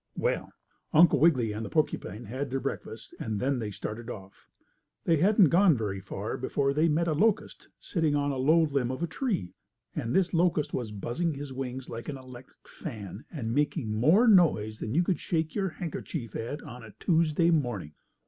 Well, Uncle Wiggily and the porcupine had their breakfast and then they started off. They hadn't gone very far before they met a locust sitting on the low limb of a tree. And this locust was buzzing his wings like an electric fan, and making more noise than you could shake your handkerchief at on a Tuesday morning.